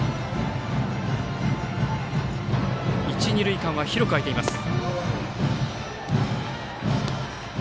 一、二塁間は広く空いています。